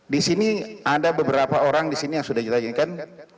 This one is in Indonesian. di sini ada beberapa orang yang sudah dijalankan